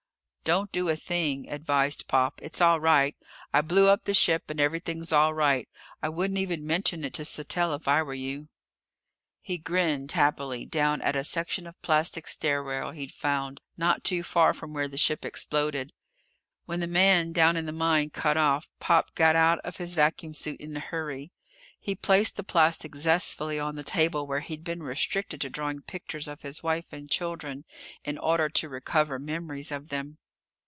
"Don't do a thing," advised Pop. "It's all right. I blew up the ship and everything's all right. I wouldn't even mention it to Sattell if I were you." He grinned happily down at a section of plastic stair rail he'd found not too far from where the ship exploded. When the man down in the mine cut off, Pop got out of his vacuum suit in a hurry. He placed the plastic zestfully on the table where he'd been restricted to drawing pictures of his wife and children in order to recover memories of them.